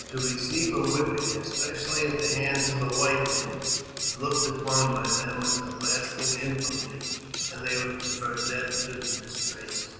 To receive a whipping, especially at the hands of a white man, is looked upon by them as a lasting infamy, and they would prefer death to the disgrace.